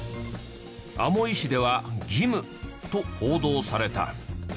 アモイ市では義務と報道された。